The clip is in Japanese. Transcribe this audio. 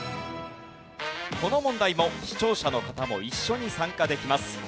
この問題も視聴者の方も一緒に参加できます。